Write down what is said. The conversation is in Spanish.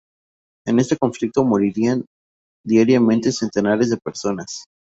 En este conflicto morían diariamente centenares de personas.